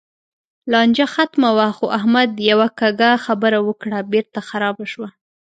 لانجه ختمه وه؛ خو احمد یوه کږه خبره وکړه، بېرته خرابه شوه.